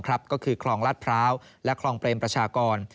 ก็คือคลองลาดพร้าวและคลองเปรมประชากร